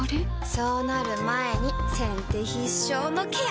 そうなる前に先手必勝のケア！